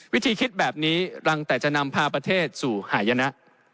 วิธีคิดแบบนี้รังแต่จะนำพาประเทศสู่หายนะ